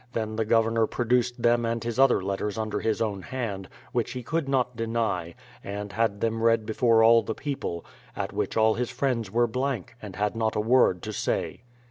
Then the Governor produced them and his other letters under his own hand, which he could not deny, and had them read before all the people: at which all his friends were blank, and had not a word to say.